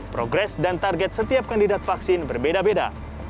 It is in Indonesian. progres dan target setiap kandidat vaksin berbeda beda